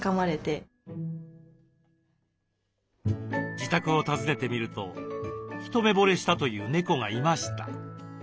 自宅を訪ねてみると一目ぼれしたという猫がいました。